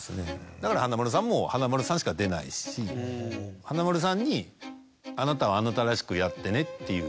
だから華丸さんも華丸さんしか出ないし華丸さんに「あなたは」。っていう。